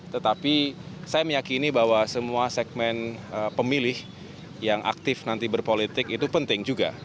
tetapi saya meyakini bahwa semua segmen pemilih yang aktif nanti berpolitik itu penting juga